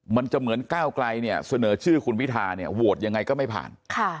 มันจะเหมือนก้าวไกลเสนอชื่อคุณวิทาโหวตยังไงก็ไม่ผ่าน